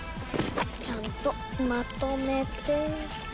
ちゃんとまとめて。